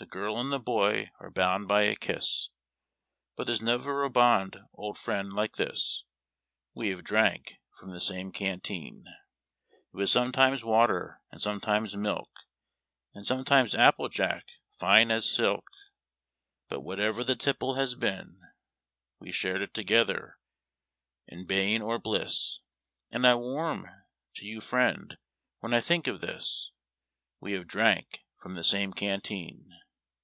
The girl and the boy are bound by a kiss, But there's never a bond, old friend, like this — We have drank from the same canteen. WE DKANK FROM THE SAME CANTEEX. It was sometimes water, and sometimes milk, And sometimes apple jack fine as silk. But, whatever the tipple has been, We shared it together, in bane or bliss, And I warm to you friend, when I think of this We have drank from the same canteen.